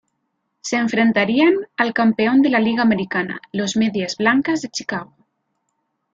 Se enfrentarían al campeón de la Liga Americana, los Medias Blancas de Chicago.